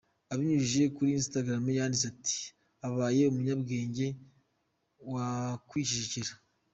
Abinyujije kuri instagram yanditse ati "Ubaye umunyabwenge wakwicecekera.